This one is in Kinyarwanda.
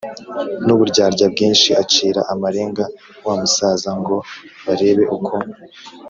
n’uburyarya bwinshi acira amarenga wa musaza ngo barebe uko